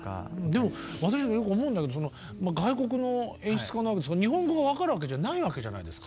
でも私もよく思うんだけど外国の演出家なわけですから日本語が分かるわけじゃないわけじゃないですか。